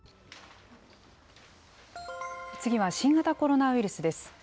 次は新型コロナウイルスです。